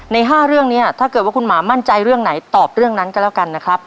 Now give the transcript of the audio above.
๕เรื่องนี้ถ้าเกิดว่าคุณหมามั่นใจเรื่องไหนตอบเรื่องนั้นก็แล้วกันนะครับ